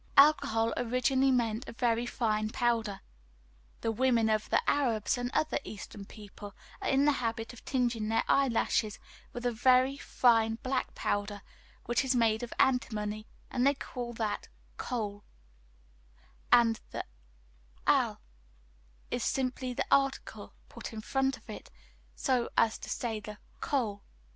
Alcohol originally meant a very fine powder. The women of the Arabs and other Eastern people are in the habit of tinging their eyelashes with a very fine black powder which is made of antimony, and they call that "kohol;" and the "al" is simply the article put in front of it, so as to say "the kohol."